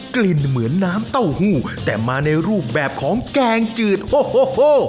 กลิ่นเหมือนน้ำเต้าหู้แต่มาในรูปแบบของแกงจืดโอ้โห